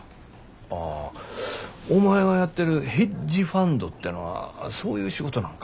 ああお前がやってるヘッジファンドてのはそういう仕事なんか。